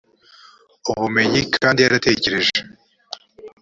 ubumenyi p kandi yaratekereje